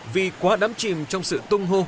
vì quá đám chìm trong sự tung hô